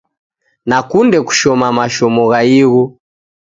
Nakunde kushoma mashomo gha ighu